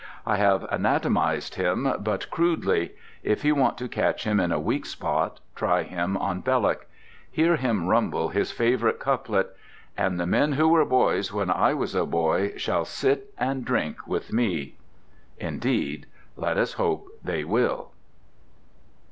I have anatomized him but crudely. If you want to catch him in a weak spot, try him on Belloc. Hear him rumble his favourite couplet; And the men who were boys when I was a boy Shall sit and drink with me. Indeed let us hope that they will.